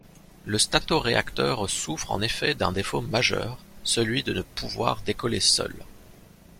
Le statoréacteur souffre en effet d'un défaut majeur, celui de ne pouvoir décoller seul.